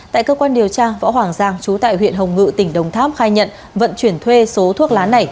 tại cơ quan điều tra võ hoàng giang chú tại huyện hồng ngự tỉnh đồng tháp khai nhận vận chuyển thuê số thuốc lá này